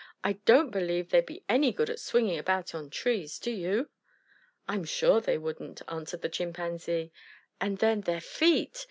I don't believe they'd be any good at swinging about on trees, do you?" "I'm sure they wouldn't," answered the Chimpanzee. "And then their feet!